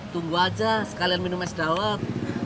tunggu aja sekalian minum es dawet